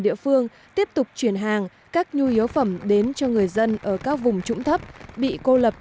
địa phương tiếp tục chuyển hàng các nhu yếu phẩm đến cho người dân ở các vùng trũng thấp bị cô lập